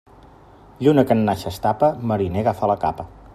Lluna que en nàixer es tapa, mariner agafa la capa.